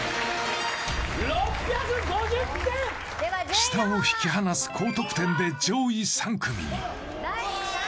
下を引き離す高得点で上位３組に。